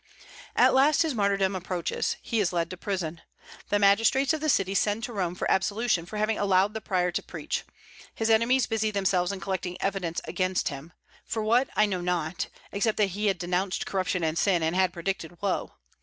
At last his martyrdom approaches: he is led to prison. The magistrates of the city send to Rome for absolution for having allowed the Prior to preach. His enemies busy themselves in collecting evidence against him, for what I know not, except that he had denounced corruption and sin, and had predicted woe.